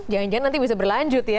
jangan jangan nanti bisa berlanjut ya